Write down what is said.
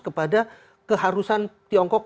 kepada keharusan tiongkok